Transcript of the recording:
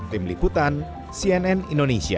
tim liputan cnn indonesia